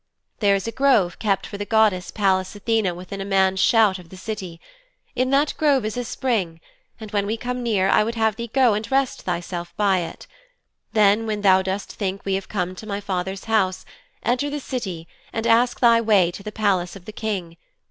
'There is a grove kept for the goddess Pallas Athene within a man's shout of the city. In that grove is a spring, and when we come near I would have thee go and rest thyself by it. Then when thou dost think we have come to my father's house, enter the City and ask thy way to the palace of the King.